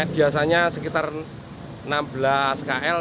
biasanya sekitar enam belas kl